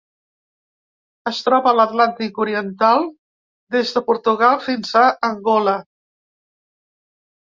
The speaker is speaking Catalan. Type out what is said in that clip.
Es troba a l'Atlàntic oriental: des de Portugal fins a Angola.